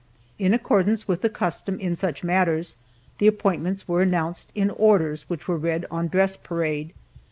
In accordance with the custom in such matters, the appointments were announced in orders, which were read on dress parade.